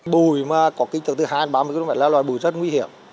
bùi mà có kinh tức từ hai đến ba mươi km là loài bùi rất nguy hiểm